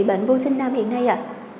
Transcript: bản vô sinh nam hình này ạ